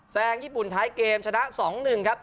ญี่ปุ่นท้ายเกมชนะ๒๑ครับ